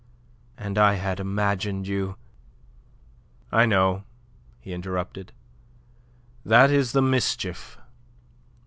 "And I had imagined you..." "I know," he interrupted. "That is the mischief."